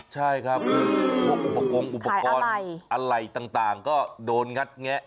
ใช่ครับอุปกรณ์อลัยต่างก็โดนงัดแงะ